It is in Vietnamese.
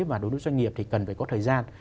và đối với doanh nghiệp thì cần phải có thời gian